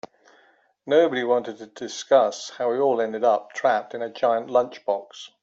Nobody wanted to discuss how we all ended up trapped in a giant lunchbox.